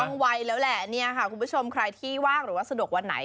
ต้องไวแล้วแหละคุณผู้ชมใครที่ว่ากหรือว่าสะดวกวันไหน